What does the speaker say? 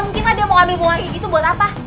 mungkin lah dia mau ambil bunganya gitu buat apa